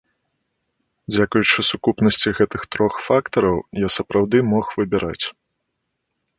Дзякуючы сукупнасці гэтых трох фактараў, я сапраўды мог выбіраць.